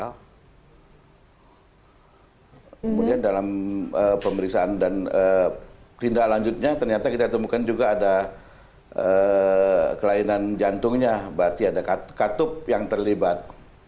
kemudian dalam pemeriksaan dan tindak lanjutnya ternyata kita temukan juga ada kelainan jantungnya berarti ada katup yang terlibat